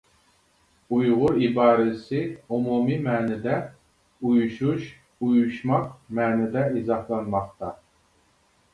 «ئۇيغۇر» ئىبارىسى ئومۇمى مەنىدە «ئۇيۇشۇش، ئۇيۇشماق» مەنىدە ئىزاھلانماقتا.